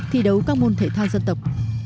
thi đấu các môn thể thao dân tộc